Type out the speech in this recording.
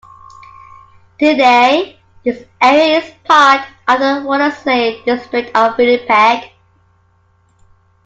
Today this area is part of the Wolseley district of Winnipeg.